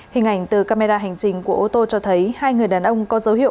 hình ảnh từ camera hành trình của ô tô cho thấy hai người đàn ông có dấu hiệu